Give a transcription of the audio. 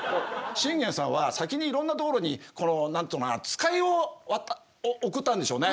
信玄さんは先にいろんなところにこの何て言うのかな使いを送ったんでしょうね。